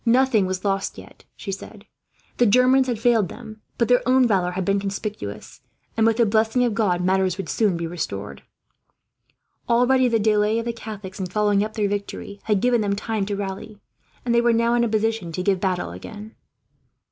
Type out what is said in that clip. Nothing was lost yet, she said; the Germans had failed them, but their own valour had been conspicuous, and with the blessing of God matters would soon be restored. Already the delay of the Catholics in following up their victory had given them time to rally, and they were now in a position to give battle again.